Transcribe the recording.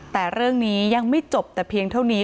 แต่เรื่องนี้ยังไม่จบแต่เพียงเท่านี้